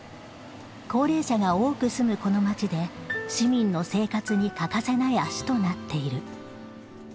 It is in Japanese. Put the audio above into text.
高齢者が多く住むこの街で市民の生活に欠かせない足となっている。